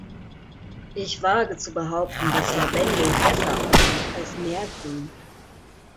Ich wage zu behaupten, dass Lavendel besser aussieht als Meergrün.